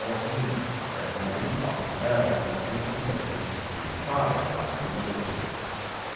—_That Men often err in thinking they can subdue Pride by Humility.